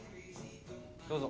どうぞ。